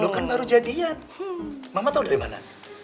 lu kan baru jadian mama tau dari mana